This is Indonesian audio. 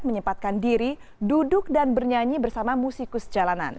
menyempatkan diri duduk dan bernyanyi bersama musikus jalanan